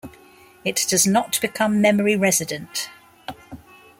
It does not become memory resident.